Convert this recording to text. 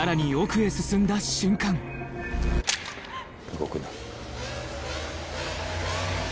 動くな。